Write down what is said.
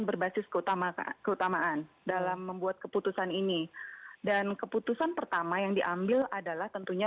berbasis keutamaan dalam membuat keputusan ini dan keputusan pertama yang diambil adalah tentunya